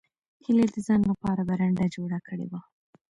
هیلې د ځان لپاره برنډه جوړه کړې وه